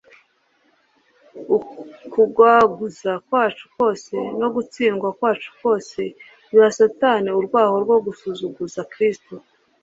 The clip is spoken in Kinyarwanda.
Ukugwaguza kwacu kose no gutsindwa kwacu kose biha Satani urwaho rwo gusuzuguza Kristo.